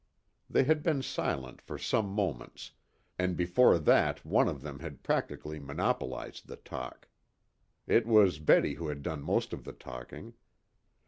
They had been silent for some moments, and before that one of them had practically monopolized the talk. It was Betty who had done most of the talking.